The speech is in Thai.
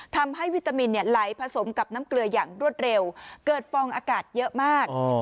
ทำให้วิตามินไหลผสมกับน้ำเกลืออย่างรวดเร็วเกิดฟองอากาศเยอะมาก